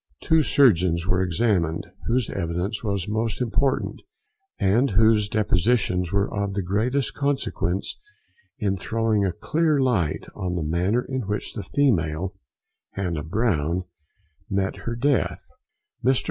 Two surgeons were examined, whose evidence was most important, and whose depositions were of the greatest consequence in throwing a clear light on the manner in which the female, Hannah Brown, met with her death. Mr.